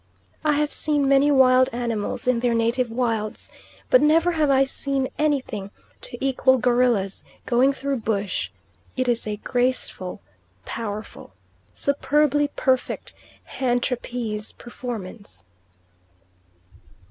I have seen many wild animals in their native wilds, but never have I seen anything to equal gorillas going through bush; it is a graceful, powerful, superbly perfect hand trapeze performance.